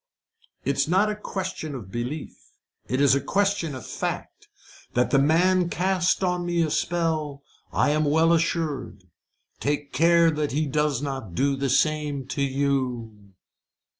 "It is not a question of belief it is a question of fact. That the man cast on me a spell, I am well assured. Take care that he does not do the same to you."